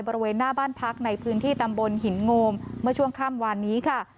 บริเวณหน้าบ้านพักในพื้นที่ตำบลหินโงมเมื่อช่วงค่ำวานนี้ค่ะ